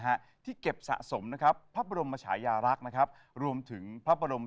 ฮะที่เก็บสะสมนะครับพระบรมชายารักษ์นะครับรวมถึงพระบรม